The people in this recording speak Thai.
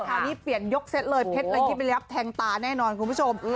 คราวนี้เปลี่ยนยกเซตเลยเพชรละยิบนิดนึงครับแทงตาแน่นอนคุณผู้ชม